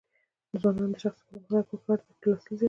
د ځوانانو د شخصي پرمختګ لپاره پکار ده چې لوستل زیات کړي.